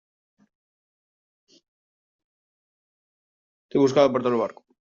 te he buscado por todo el barco.